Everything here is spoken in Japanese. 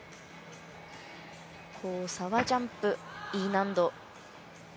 交差ジャンプはＥ難度。